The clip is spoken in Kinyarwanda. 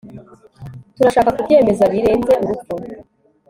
turashaka kubyemeza birenze urupfu